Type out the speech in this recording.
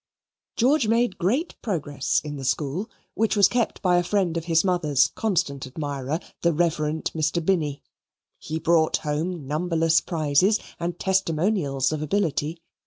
Georgy made great progress in the school, which was kept by a friend of his mother's constant admirer, the Rev. Mr. Binny. He brought home numberless prizes and testimonials of ability.